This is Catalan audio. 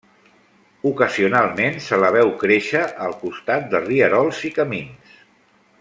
Ocasionalment se la veu créixer al costat de rierols i camins.